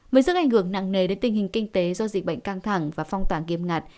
mới sức ảnh hưởng nặng nề đến tình hình kinh tế do dịch bệnh căng thẳng và phong tỏa nghiêm ngặt